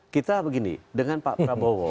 kita begini dengan pak prabowo